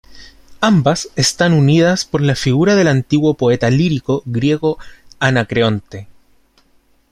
Ambas están unidas por la figura del antiguo poeta lírico griego Anacreonte.